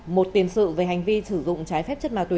một tiền sự về hành vi sử dụng trái phép chất ma túy